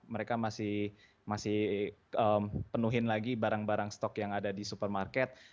mereka masih penuhin lagi barang barang stok yang ada di supermarket